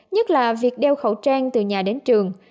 nhất là việc đeo khẩu trang từ nhà đến trường